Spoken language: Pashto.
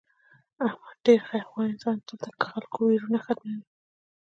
احمد ډېر خیر خوا انسان دی تل د خلکو ویرونه ختموي.